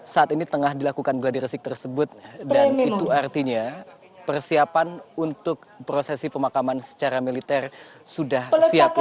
saat ini tengah dilakukan gladiresik tersebut dan itu artinya persiapan untuk prosesi pemakaman secara militer sudah siap